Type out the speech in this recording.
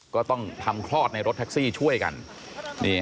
ก็ต้องทำคลอดในรถแท็กซี่ช่วยกัน